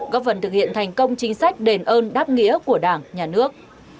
góp phần thực hiện thành công chính sách đền ơn đáp nghĩa của đảng nhà nước